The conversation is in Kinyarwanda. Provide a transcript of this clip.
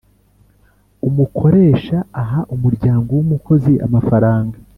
Umukoresha aha umuryango w umukozi amafaranga